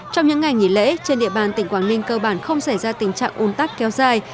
trong những ngày nghỉ lễ trên địa bàn tỉnh quảng ninh cơ bản không xảy ra tình trạng ôn tắc kéo dài